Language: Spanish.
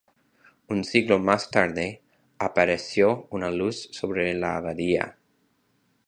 Un siglo más tarde, apareció una luz sobre la abadía.